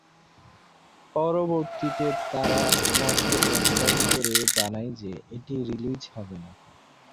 পরবর্তীতে তারা মত পরিবর্তন করে জানায় যে এটি রিলিজ হবে না।